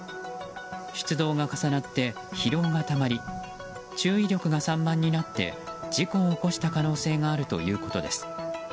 出動が重なって疲労がたまり注意力が散漫になって事故を起こした可能性があるということです。